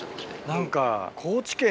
何か。